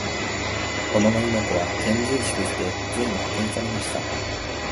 小野妹子は遣隋使として隋に派遣されました。